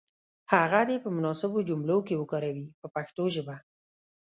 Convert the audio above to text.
هغه دې په مناسبو جملو کې وکاروي په پښتو ژبه.